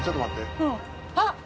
あっ！